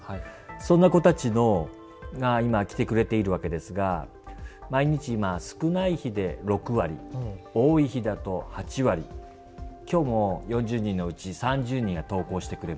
そんな子たちが今来てくれているわけですが毎日今少ない日で６割多い日だと８割今日も４０人のうち３０人が登校してくれました。